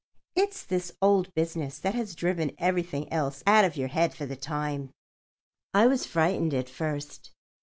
"It's this old business that has driven everything else out of your head for the time. I was frightened at first.